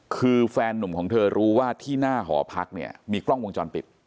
คือแฟนนุ่มของเธอรู้ว่าที่หน้าหอพักเนี่ยมีกล้องวงจรปิด